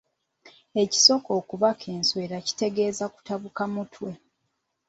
Ekisoko okubaka enswera kitegeeza kutabuka mutwe.